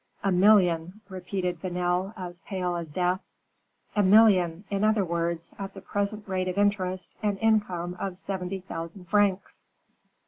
"A million!" repeated Vanel, as pale as death. "A million; in other words, at the present rate of interest, an income of seventy thousand francs."